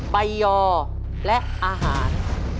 ใบยอและอาหาร